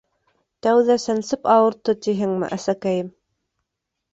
— Тәүҙә сәнсеп ауыртты тиһеңме, әсәкәйем?